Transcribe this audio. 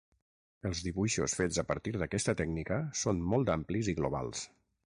Els dibuixos fets a partir d'aquesta tècnica són molt amplis i globals.